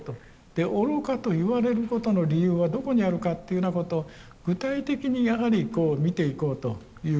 で愚かと言われることの理由はどこにあるかっていうふうなことを具体的にやはり見ていこうということですね。